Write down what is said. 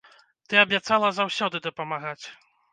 Ты абяцала заўсёды дапамагаць.